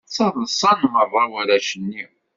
Ttaḍsan meṛṛa warrac-nni.